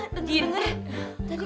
tadi kan pengajian